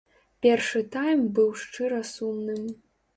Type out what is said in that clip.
Першы тайм быў шчыра сумным.